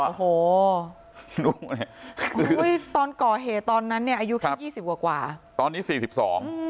โอ้โหนุ่มเนี่ยอุ้ยตอนก่อเหตุตอนนั้นเนี่ยอายุแค่ยี่สิบกว่ากว่าตอนนี้สี่สิบสอง